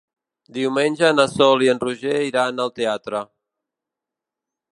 Diumenge na Sol i en Roger iran al teatre.